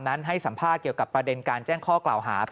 ให้สัมภาษณ์เกี่ยวกับประเด็นการแจ้งข้อกล่าวหา